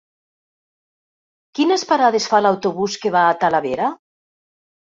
Quines parades fa l'autobús que va a Talavera?